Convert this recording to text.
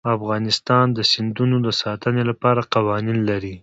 افغانستان د سیندونه د ساتنې لپاره قوانین لري.